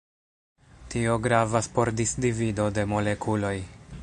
Tio gravas por disdivido de molekuloj.